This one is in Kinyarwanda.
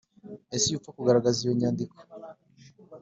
ese iyo apfa kugaragaza iyo nyandiko